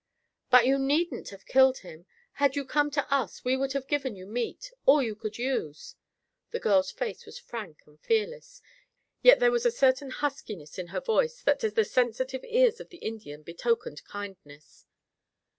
"But you needn't have killed him. Had you come to us we would have given you meat, all you could use." The girl's face was frank and fearless, yet there was a certain huskiness in her voice that to the sensitive ears of the Indian betokened kindness.